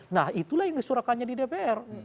nah itulah yang disurahkannya di dpr